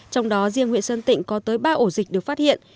trong đó riêng huyện sơn tịnh có tới ba ổ dịch được phát hiện